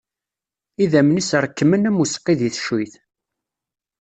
Idammen-is rekkmen am useqqi di teccuyt.